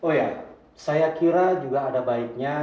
oh ya saya kira juga ada baiknya